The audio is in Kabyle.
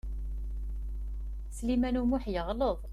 Sliman U Muḥ yeɣleḍ.